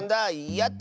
やった！